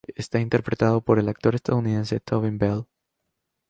Está interpretado por el actor estadounidense Tobin Bell.